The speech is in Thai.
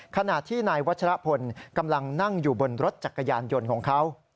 ขณะที่นายวัชรพลกำลังนั่งอยู่บนรถจักรยานยนต์ของเขา